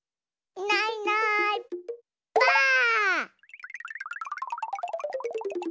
いないいないばあっ！